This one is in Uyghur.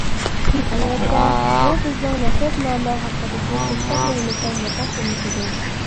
ئەلۋەتتە، بۇ بىزنىڭ نەسەبنامە ھەققىدىكى سۆھبەتلىرىمىزنىڭ مۇقەددىمىسىدۇر.